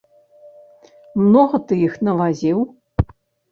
Многа ты іх навазіў?!